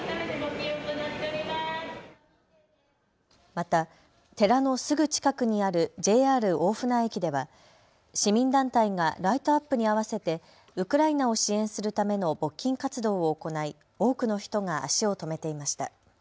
また寺のすぐ近くにあるＪＲ大船駅では市民団体がライトアップに合わせてウクライナを支援するための募金活動を行い多くの人が足を止めていました。